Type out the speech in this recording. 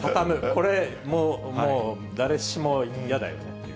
これももう、誰しも嫌だよね。